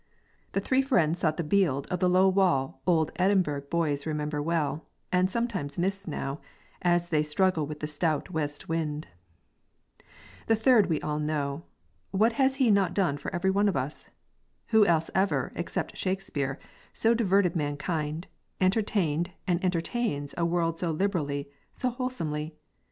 The three friends sought the bield of the low wall old Edinburgh boys remember well, and sometimes miss now, as they struggle with the stout west wind.... The third we all know. What has he not done for every one of us? Who else ever, except Shakespeare, so diverted mankind, entertained and entertains a world so liberally, so wholesomely?